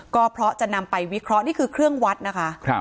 ก็เพราะจะนำไปวิเคราะห์นี่คือเครื่องวัดนะคะ